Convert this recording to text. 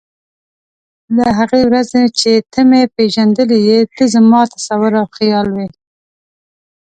له هغې ورځې چې ته مې پېژندلی یې ته زما تصور او خیال وې.